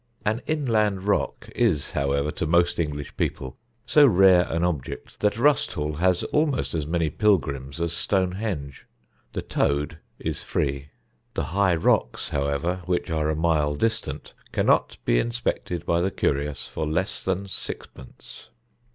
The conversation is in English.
An inland rock is, however, to most English people so rare an object that Rusthall has almost as many pilgrims as Stonehenge. The Toad is free; the High Rocks, however, which are a mile distant, cannot be inspected by the curious for less than sixpence.